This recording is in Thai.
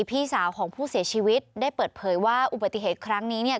พี่สาวของผู้เสียชีวิตได้เปิดเผยว่าอุบัติเหตุครั้งนี้เนี่ย